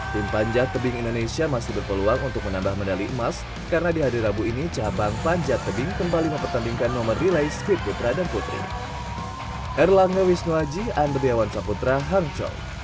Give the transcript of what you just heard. tim panjat tebing indonesia masih berpeluang untuk menambah medali emas karena di hari rabu ini cabang panjat tebing kembali mempertandingkan nomor relai speed putra dan putri